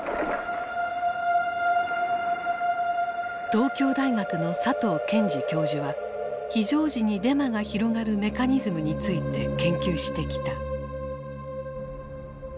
東京大学の佐藤健二教授は非常時にデマが広がるメカニズムについて研究してきた。